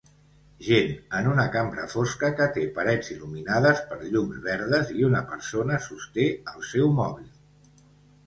Gent en una cambra fosca que té parets il·luminades per llums verdes i una persona sosté el seu mòbil